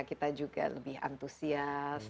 kita juga lebih antusias